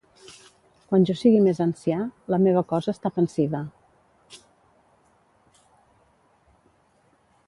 Quan jo sigui més ancià, la meva cosa està pansida.